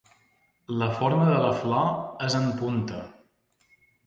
La forma de la flor és en punta.